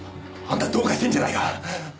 あんたどうかしてんじゃないか？